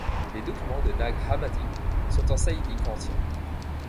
Les documents de Nag-Hammadi sont en sahidique ancien.